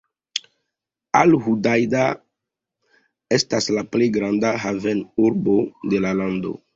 Al-Hudaida estas la plej granda havenurbo de la lando.